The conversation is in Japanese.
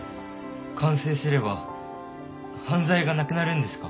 完成すれば犯罪がなくなるんですか？